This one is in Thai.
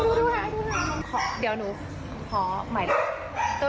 โอ้โหหมาใครกูพูดพี่แล้วว่ามันติดตาม